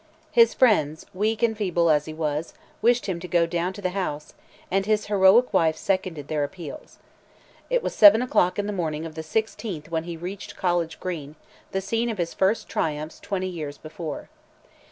His friends, weak and feeble as he was, wished him to go down to the House, and his heroic wife seconded their appeals. It was seven o'clock in the morning of the 16th when he reached College Green, the scene of his first triumphs twenty years before.